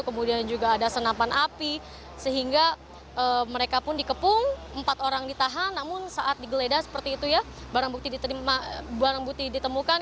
kemudian juga ada senapan api sehingga mereka pun dikepung empat orang ditahan namun saat digeledah seperti itu ya barang bukti ditemukan